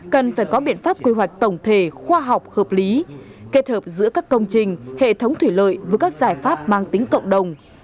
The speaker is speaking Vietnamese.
cần phải có biện pháp quy hoạch tổng thể khoa học hợp lý kết hợp giữa các công trình hệ thống thủy lợi với các giải pháp mang tính cộng đồng